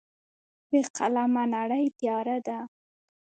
بې قلمه نړۍ تیاره ده.